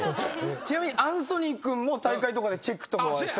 ちなみにアンソニー君も大会とかでチェックとかはしたりするの？